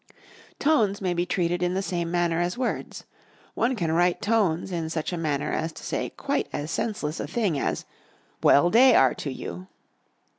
Tones may be treated in the same manner as words. One can write tones in such a manner as to say quite as senseless a thing as "Well day are to you!"